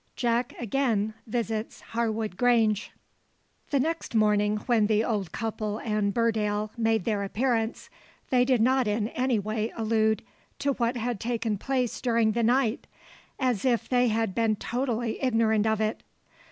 JACK AGAIN VISITS HARWOOD GRANGE. The next morning when the old couple and Burdale made their appearance, they did not in any way allude to what had taken place during the night, as if they had been totally ignorant of it.